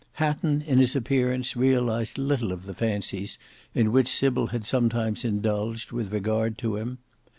Hatton in his appearance realised little of the fancies in which Sybil had sometime indulged with regard to him.